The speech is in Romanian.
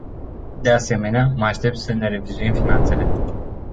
De asemenea, mă aștept să ne revizuim finanțele.